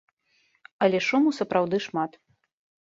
Але шуму сапраўды шмат.